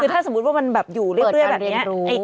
คือถ้าสมมุติว่ามันอยู่เรียบเรื่อยแบบนี้